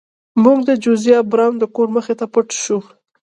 موږ د جوزیا براون د کور مخې ته پټ شو.